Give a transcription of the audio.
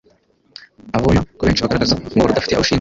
Abona ko benshi bagaragazaga umubabaro udafite aho ushingiye.